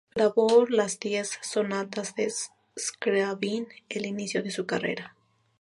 Grabó las diez "Sonatas" de Skriabin al inicio de su carrera.